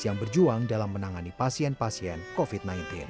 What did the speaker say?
yang berjuang dalam menangani pasien pasien covid sembilan belas